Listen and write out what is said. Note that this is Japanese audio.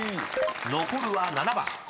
［残るは７番］